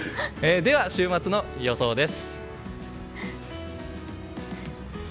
では、週末の予報です。